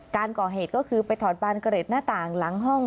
การก่อเหตุก็คือไปถอดบานเกร็ดหน้าต่างหลังห้อง